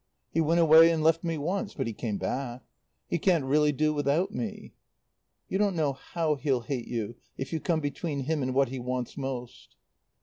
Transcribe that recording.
He went away and left me once. But he came back. He can't really do without me." "You don't know how he'll hate you if you come between him and what he wants most."